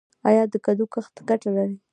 آیا د کدو کښت ګټه لري؟